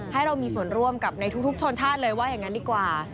ให้เรามีส่วนร่วมกับในทุกชนชาติเลยว่าอย่างนั้นดีกว่า